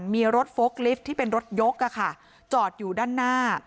มีรถโฟล์กลิฟท์ที่เป็นรถยกจอดอยู่ด้านหน้า